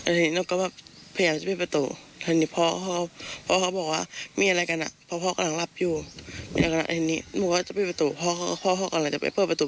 แล้วทีนี้นิ๊กก็เเตอเปลี่ยนแปปประตู